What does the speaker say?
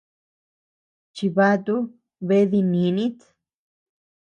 Chibatu bea dinínit.